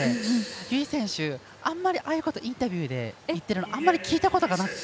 由井選手、あまりああいうことインタビューで言っているのを聞いたことがなくて。